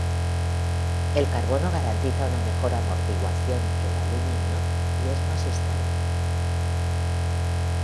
El carbono garantiza una mejor amortiguación que el aluminio y es más estable.